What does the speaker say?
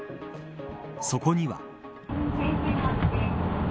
そこには。